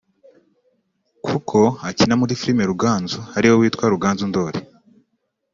kuko akina muri Filime Ruganzu ari we witwa Ruganzu Ndori